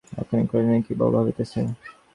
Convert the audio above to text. রাজলক্ষ্মী কহিলেন, কী বউ, কী ভাবিতেছ।